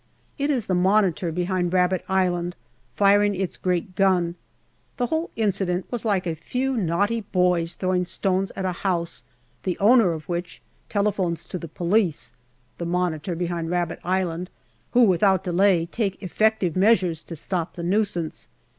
It is the Monitor behind Rabbit Island firing its great gun. The whole incident was like a few naughty boys throwing stones at a house, the owner of which telephones to the police (the Monitor behind Rabbit Island), who without delay take effective measures to stop the nuisance.